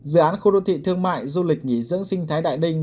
dự án khu đô thị thương mại du lịch nghỉ dưỡng sinh thái đại ninh